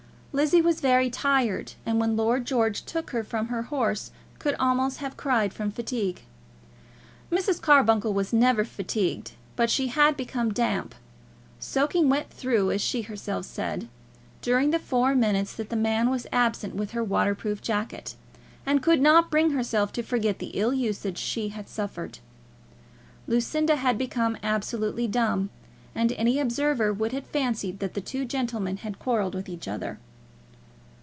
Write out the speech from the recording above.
Lizzie was very tired, and, when Lord George took her from her horse, could almost have cried from fatigue. Mrs. Carbuncle was never fatigued, but she had become damp, soaking wet through, as she herself said, during the four minutes that the man was absent with her waterproof jacket, and could not bring herself to forget the ill usage she had suffered. Lucinda had become absolutely dumb, and any observer would have fancied that the two gentlemen had quarrelled with each other.